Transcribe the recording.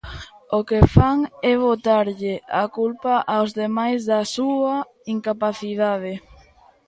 O que fan é botarlle a culpa aos demais da súa incapacidade.